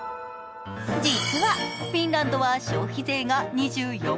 実はフィンランドは消費税が２４％。